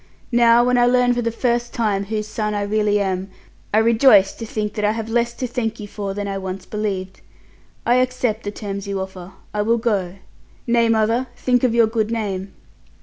Now when I learn for the first time whose son I really am, I rejoice to think that I have less to thank you for than I once believed. I accept the terms you offer. I will go. Nay, mother, think of your good name."